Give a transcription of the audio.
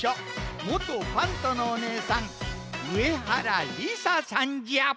もと「パント！」のおねえさん上原りささんじゃ。